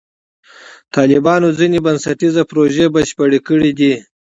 طالبانو ځینې بنسټیزې پروژې بشپړې کړې دي.